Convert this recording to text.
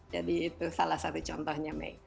jadi itu salah satu contohnya may